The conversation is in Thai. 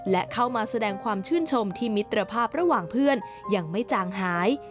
และเข้ามาแสดงความชื่นชมที่มิตรภาพระหว่างเพื่อนยังไม่จางหาย